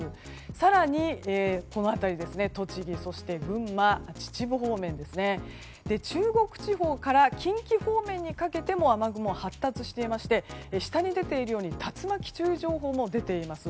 更に、この辺り栃木、そして群馬、秩父方面中国地方から近畿方面にかけても雨雲が発達していまして下に出ているように竜巻注意情報も出ています。